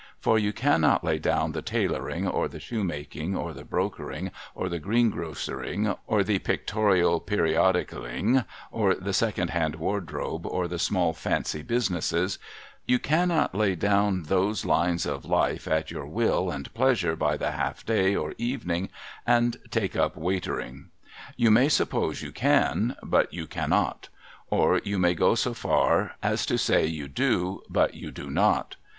For you cannot lay down the tailoring, or the shoemaking, or the brokering, or the green grocering, or the pictorial periodicalling, or the second hand wardrobe, or the small fancy businesses, — you cannot lay down those lines of life at your will and pleasure by the half day or evening, and take up 28o SOMEBODY'S LUGGAGE Waitcring. You may suppose you can, but you cannot ; Or you may go so far as to say you do, but you do not.